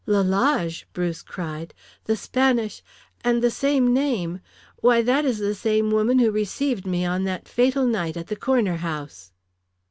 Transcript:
"Lalage," Bruce cried. "The Spanish and the same name! Why, that is the same woman who received me on that fatal night at the corner house!"